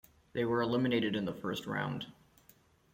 They were eliminated in the First Round.